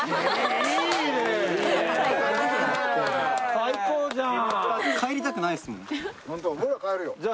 最高じゃん。